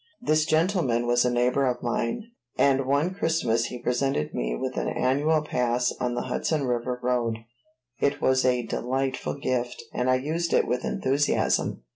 This gentleman was a neighbor of mine, and one Christmas he presented me with an annual pass on the Hudson River Railroad. It was a delightful gift, and I used it with enthusiasm.